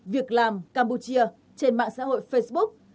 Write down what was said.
việc làm campuchia trên mạng xã hội facebook